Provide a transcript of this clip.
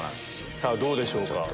さぁどうでしょうか？